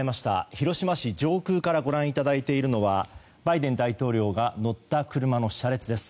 広島市上空からご覧いただいているのはバイデン大統領が乗った車の車列です。